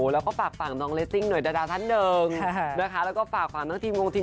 แล้วก็ฝากฝังน้องเลสซิ่งหน่วยดาดาดท่านเดิม